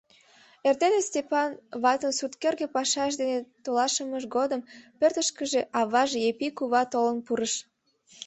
Эрдене Стопан ватын сурткӧргӧ пашаж дене толашымыж годым пӧртышкыжӧ аваже, Епи кува, толын пурыш.